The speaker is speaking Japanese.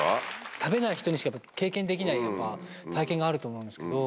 食べない人にしか経験できない体験があると思うんですけど。